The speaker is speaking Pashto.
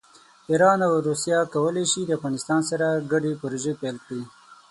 ایران او روسیه کولی شي د افغانستان سره ګډې پروژې پیل کړي.